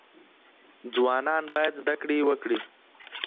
ځوانان بايد زده کړي وکړي.